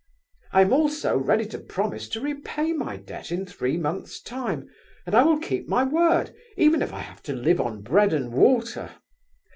I am also ready to promise to repay my debt in three months' time, and I will keep my word, even if I have to live on bread and water.